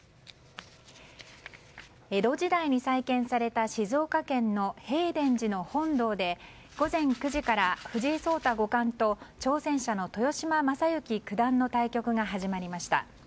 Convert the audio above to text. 江戸時代に再建された静岡県の平田寺の本堂で午前９時から藤井聡太五冠と挑戦者の豊島将之九段の対局が始まりました。